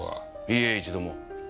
いいえ一度も。